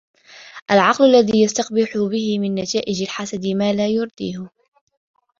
الْعَقْلُ الَّذِي يَسْتَقْبِحُ بِهِ مِنْ نَتَائِجِ الْحَسَدِ مَا لَا يُرْضِيهِ